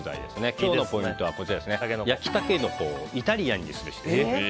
今日のポイントは焼きタケノコはイタリアン風にすべしです。